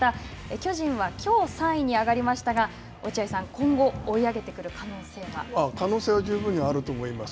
巨人はきょう３位に上がりましたが、落合さん、今後、追い上げて可能性は十分にあると思います。